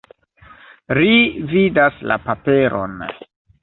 Ri vidas la paperon.